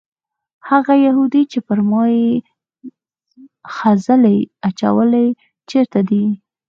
هغه یهودي چې پر ما یې خځلې اچولې چېرته دی؟